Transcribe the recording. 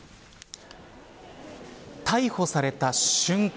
逮捕された瞬間